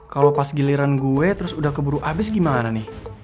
kalau pas giliran gue terus udah keburu abis gimana nih